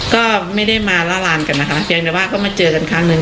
ก็ไม่ได้มาละลานกันนะคะเพียงแต่ว่าก็มาเจอกันครั้งหนึ่ง